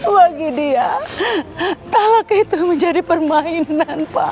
bagi dia taklak itu menjadi permainan pak